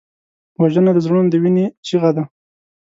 وژنه د زړونو د وینې چیغه ده